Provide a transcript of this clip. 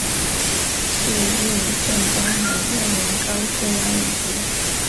适应症包含妊娠高血压以及。